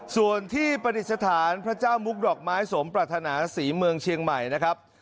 ส่วนที่ประดิษฐานพระเจ้ามุกดอกไม้สมปรารถนาศรีเมืองเชียงใหม่นะครับ